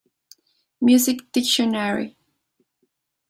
Music Dictionary.